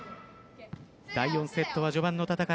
第４セットは序盤の戦い